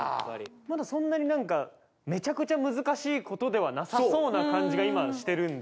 まだそんなになんかめちゃくちゃ難しいことではなさそうな感じが今してるんで。